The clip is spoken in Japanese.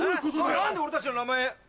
何で俺たちの名前。